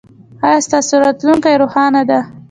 ایا ستاسو راتلونکې روښانه ده؟